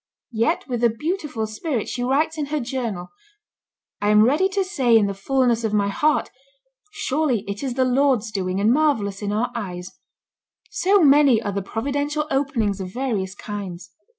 Yet with a beautiful spirit she writes in her journal, "I am ready to say in the fulness of my heart, surely 'it is the Lord's doing, and marvellous in our eyes'; so many are the providential openings of various kinds.